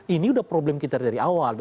ini udah problem kita dari awal